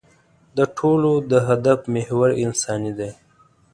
د ټولو د هدف محور انساني دی.